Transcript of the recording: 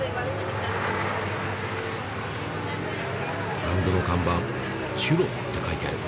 スタンドの看板「チュロ」って書いてある。